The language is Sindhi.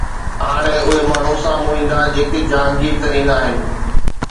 هاڻي اهي ماڻهو سامهون ايندا جيڪي جهانگير ترين آهن